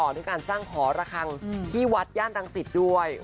ด้วยการสร้างหอระคังที่วัดย่านรังสิตด้วย